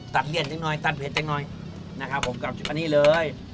เปลี่ยนนิดหน่อยตัดเย็งหน่อยนะครับผมกลับอันนี้เลย